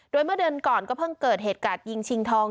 โดยเมื่อเดือนก่อนก็เพิ่งเกิดเหตุการณ์ยิงชิงทอง